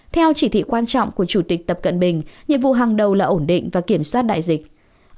theo chỉ thị quan trọng của chủ tịch tập cận bình nhiệm vụ hàng đầu là ổn định và kiểm soát đại dịch